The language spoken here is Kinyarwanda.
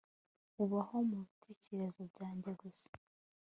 ubaho mubitekerezo byanjye gusa